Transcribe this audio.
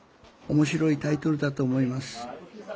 面白いタイトルだと思います